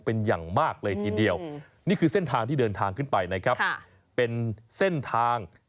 เป็นอย่างมากเลยทีเดียว